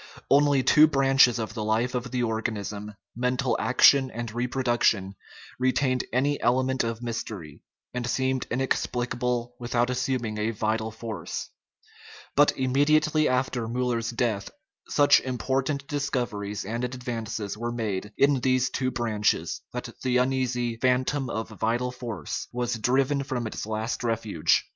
Only two branches of the life of the organism, mental action and reproduction, retained any element of mystery, and seemed inexplicable without assuming a vital force. 262 THE UNITY OF NATURE But immediately after Mullet's death such important discoveries and advances were made in these two branches that the uneasy "phantom of vital force" was driven from its last refuge.